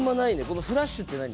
このフラッシュって何？